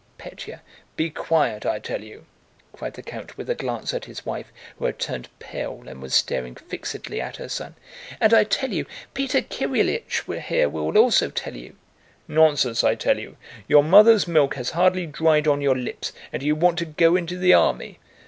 "Pétya! Be quiet, I tell you!" cried the count, with a glance at his wife, who had turned pale and was staring fixedly at her son. "And I tell you—Peter Kirílych here will also tell you..." "Nonsense, I tell you. Your mother's milk has hardly dried on your lips and you want to go into the army!